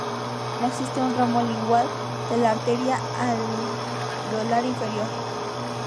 No existe un "ramo lingual" de la "arteria alveolar inferior".